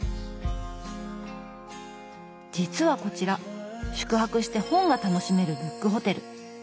実はこちら宿泊して本が楽しめるブックホテル。